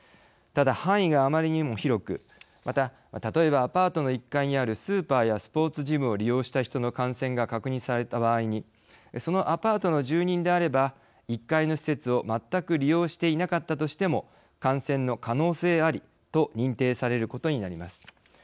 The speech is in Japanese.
ただ範囲があまりにも広くまた例えばアパートの１階にあるスーパーやスポーツジムを利用した人の感染が確認された場合にそのアパートの住人であれば１階の施設を全く利用していなかったとしても感染の可能性ありと認定されることになります。